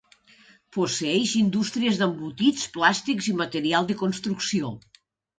Posseeix indústries d'embotits, plàstics i material de construcció.